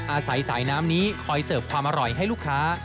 อาศัยสายน้ำนี้คอยเสิร์ฟความอร่อยให้ลูกค้า